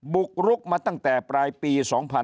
บุกรุกมาตั้งแต่ปลายปี๒๕๕๙